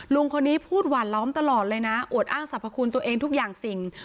ลุงคนนี้พูดหวานล้อมตลอดเลยนะอวดอ้างสรรพคุณตัวเองทุกอย่างสิ่ง